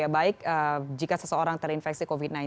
baik jika seseorang terinfeksi covid sembilan belas